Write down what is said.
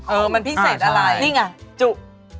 เออมันพิเศษอะไรอ่าใช่